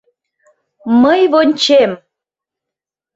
— Мый вончем!